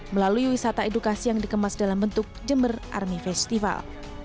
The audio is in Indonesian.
melalui wisata edukasi yang dikemas dalam bentuk jember army festival